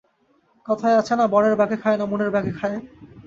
কথায় আছে না-বনের বাঘে খায় না, মনের বাঘে খায়?